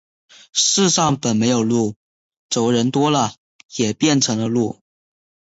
世上本没有路，走的人多了，也便成了路。